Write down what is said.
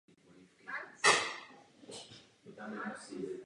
Tuto důležitou zásadu ustanovil Evropský soudní dvůr.